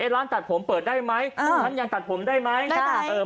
ร้านตัดผมเปิดได้ไหมร้านยังตัดผมได้ไหม